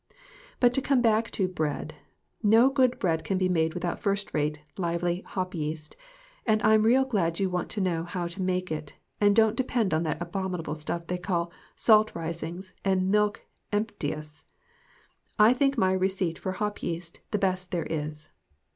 But to come back to bread ; no good bread can be made without first rate, lively, hop yeast. And I'm real glad you want to know how to make it, and don't depend on that abominable stuff they call "salt risings" and "milk emp/*&f"/ I think my receipt for hop yeast the best there is.